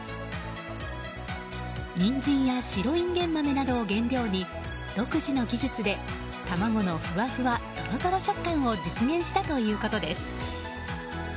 ニンジンや白インゲン豆などを原料に独自の技術で卵のふわふわ、とろとろ食感を実現したということです。